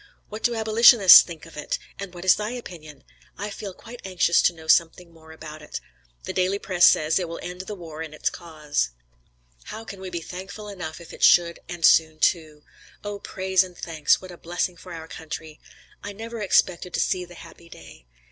What do abolitionists think of it? and what is thy opinion? I feel quite anxious to know something more about it. The "Daily Press" says, it will end the war and its cause. How can we be thankful enough if it should, and soon too. "Oh, praise and tanks," what a blessing for our country. I never expected to see the happy day.